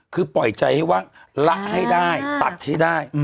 คือปล่อยใจให้ว่างละให้ได้ตัดให้ได้